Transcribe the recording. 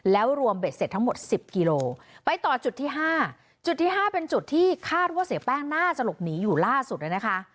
แล้วรวมเบ็ดเสร็จทั้งหมด๑๐กิโลไปต่อจุดที่๕จุดที่๕เป็นจุดที่คาดว่าเสียแป้งน่าจะหลบหนีอยู่ล่าสุดเลยนะคะ